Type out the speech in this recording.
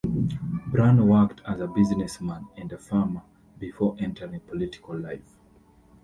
Brown worked as a businessman and a farmer before entering political life.